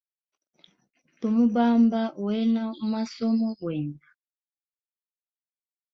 Tu mubamba wena u masomo bwenda.